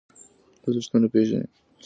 ارزښتونه پېژنئ.